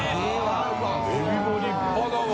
エビも立派だわ。